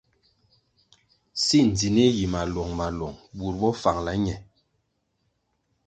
Si ndzinih yi maluong-maluong bur bo fangala ñe.